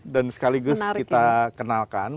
dan sekaligus kita kenalkan